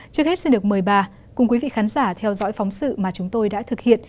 trước hết xin được mời bà cùng quý vị khán giả theo dõi phóng sự mà chúng tôi đã thực hiện